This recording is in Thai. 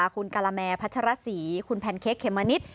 คุณการาแมพัชรศรีคุณแพนเค้กเมมะนิด